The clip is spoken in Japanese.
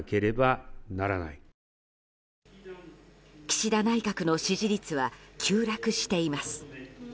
岸田内閣の支持率は急落しています。